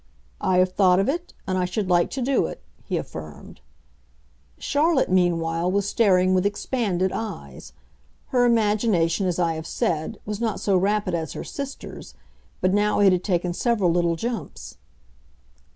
"I have thought of it, and I should like to do it," he affirmed. Charlotte, meanwhile, was staring with expanded eyes. Her imagination, as I have said, was not so rapid as her sister's, but now it had taken several little jumps.